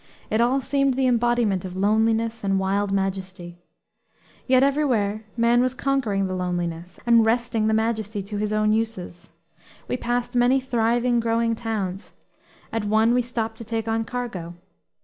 It all seemed the embodiment of loneliness and wild majesty. Yet everywhere man was conquering the loneliness and wresting the majesty to his own uses. We passed many thriving, growing towns; at one we stopped to take on cargo.